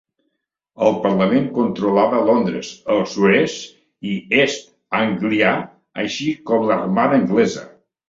El Parlament controlava Londres, el sud-est i East Anglia, així com l'armada anglesa.